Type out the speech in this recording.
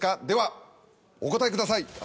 ではお答えください。